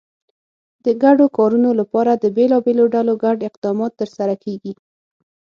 د ګډو کارونو لپاره د بېلابېلو ډلو ګډ اقدامات ترسره کېږي.